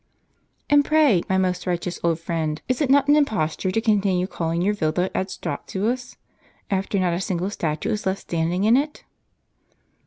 "And pray, my most righteous old friend, is it not an imposture to continue calling your villa Ad Statuas, after not a single statue is left standing in it?